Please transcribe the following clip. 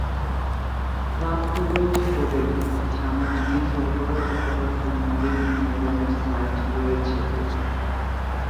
প্রাপ্তবয়স্কদের সামগ্রী সরবরাহ করার জন্য বিভিন্ন ধরনের সাইট রয়েছে।